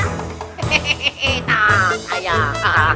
hehehehe tak payah